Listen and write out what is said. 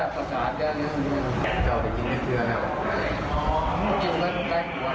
โทษทีครับ